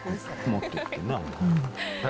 持ってってな。